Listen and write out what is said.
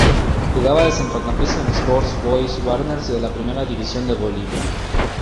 Jugaba de centrocampista en Sport Boys Warnes de la Primera División de Bolivia.